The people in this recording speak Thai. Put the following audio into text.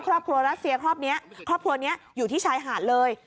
ครอบครัวรัสเซียครอบครัวนี้ครอบครัวนี้อยู่ที่ชายหาดเลย